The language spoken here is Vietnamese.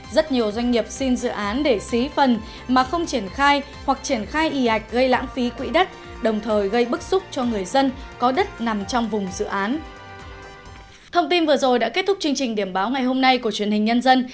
rất nhiều doanh nghiệp xin dự án để xí phần mà không triển khai hoặc triển khai y ạch gây lãng phí quỹ đất đồng thời gây bức xúc cho người dân có đất nằm trong vùng dự án